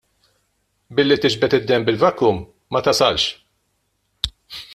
Billi tiġbed id-demm bil-vacuum ma tasalx.